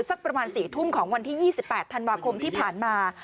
สักประมาณ๔ทุ่มของวันที่๒๘ธันวาคมที่ผ่านมา